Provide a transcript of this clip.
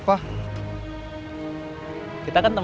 a di sana kamu